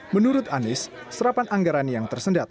menurut anies serapan anggaran yang tersendat